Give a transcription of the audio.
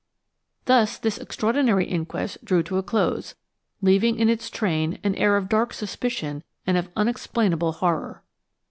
Thus this extraordinary inquest drew to a close, leaving in its train an air of dark suspicion and of unexplainable horror.